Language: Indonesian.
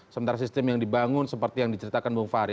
sementara sistem yang dibangun seperti yang diceritakan bung fahri